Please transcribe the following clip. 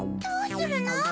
どうするの？